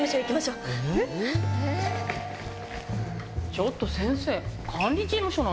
ちょっと先生。